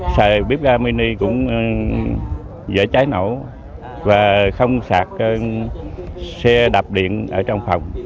xài bếp ga mini cũng dễ cháy nổ và không sạc xe đạp điện ở trong phòng